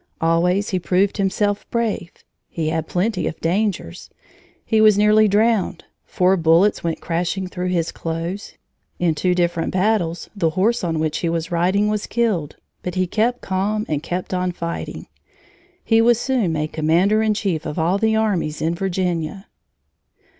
Always he proved himself brave. He had plenty of dangers. He was nearly drowned, four bullets went crashing through his clothes, in two different battles the horse on which he was riding was killed, but he kept calm and kept on fighting. He was soon made commander in chief of all the armies in Virginia.